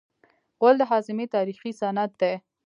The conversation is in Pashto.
غول د هاضمې تاریخي سند دی.